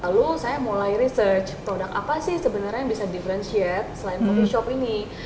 lalu saya mulai research produk apa sih sebenarnya yang bisa differentiate selain coffe shop ini